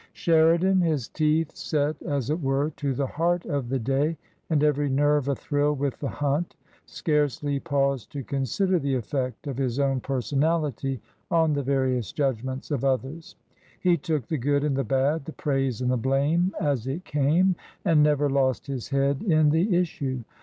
Sheridan, his teeth set as it were to the heart of the day and every nerve athrill with the hunt, scarcely paused to consider the effect of his own personality on the various judgments of others ; he took the good and the bad, the praise and the blame, as it came, and never lost his head in the issue.